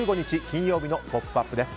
金曜日の「ポップＵＰ！」です。